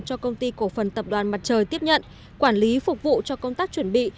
cho công ty cổ phần tập đoàn mặt trời tiếp nhận quản lý phục vụ cho công tác chuẩn bị